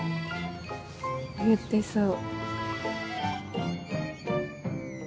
言ってそう。